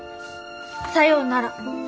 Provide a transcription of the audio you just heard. さようなら。